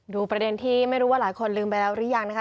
ประเด็นที่ไม่รู้ว่าหลายคนลืมไปแล้วหรือยังนะคะ